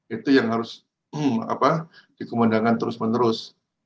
itu yang harus dikumandangkan terus menerus